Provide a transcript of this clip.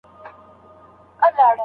لارښود باید د شاګرد په خوښه وټاکل سي.